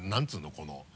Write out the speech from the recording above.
この。